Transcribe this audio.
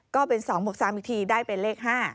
ก็เป็น๒บวก๓อีกทีได้เป็นเลข๕